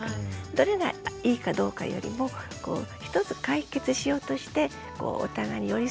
どれがいいかどうかよりも一つ解決しようとしてお互いに寄り添っていく。